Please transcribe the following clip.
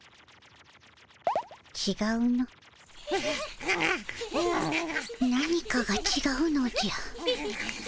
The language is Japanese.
ちがうの何かがちがうのじゃ。